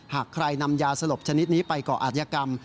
หากใครนำยาสลบชนิดนี้ไปก่ออาจยกรรม